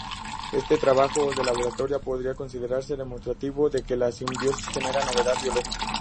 Este trabajo de laboratorio podría considerarse demostrativo de que la simbiosis genera novedad biológica.